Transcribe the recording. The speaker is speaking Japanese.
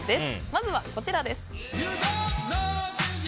まずは、こちらです。